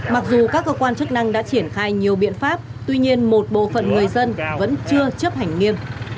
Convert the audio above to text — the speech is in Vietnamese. mặc dù các cơ quan chức năng đã triển khai nhiều biện pháp tuy nhiên một bộ phận người dân vẫn chưa chấp hành nghiêm